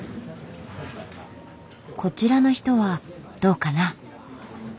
こちらの人はどうかな。